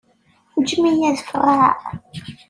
Ǧǧem-iyi ad ffɣeɣ!